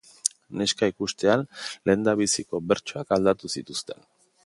Neska ikustean lehendabiziko bertsoak aldatu zituzten.